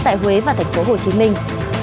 tại huế và thành phố hồ chí minh